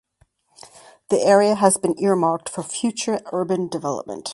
The area has been earmarked for future urban development.